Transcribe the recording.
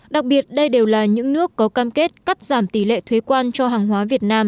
đặc biệt đây đều là những nước có cam kết cắt giảm tỷ lệ thuế quan cho hàng hóa việt nam